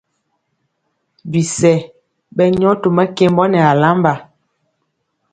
Bisɛ ɓɛ nyɔ to mɛkembɔ nɛ alamba.